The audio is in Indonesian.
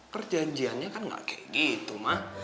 perjanjiannya kan gak kayak gitu ma